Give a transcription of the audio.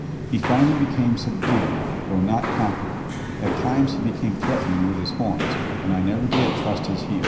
He finally became subdued, though not conquered. At times he became threatening with his horns, and I never did trust his heels.